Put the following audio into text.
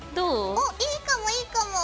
おいいかもいいかも！